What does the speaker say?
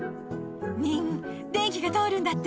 ニン、電気が通るんだって？